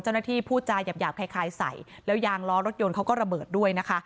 เจ้าหน้าที่ผู้จ่ายหยาบขายไสแล้วยางล้อรถยนต์เขาก็ระเบิดด้วย